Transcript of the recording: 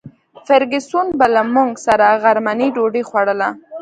فرګوسن به له موږ سره غرمنۍ ډوډۍ خوړله.